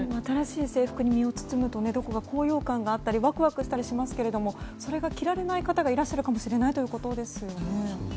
新しい制服に身を包むとどこか高揚感があったりワクワクしたりしますけどもそれが着られない方がいらっしゃるかもしれないということですよね。